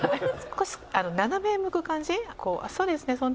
そうですね